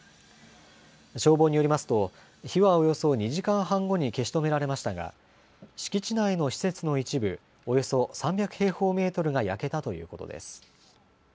消防によりますと火はおよそ２時間半後に消し止められましたが敷地内の施設の一部、およそ３００平方メートルが焼けたということです。